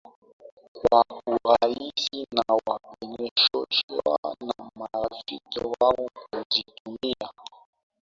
kwa urahisi na wanapochochewa na marafiki wao kuzitumia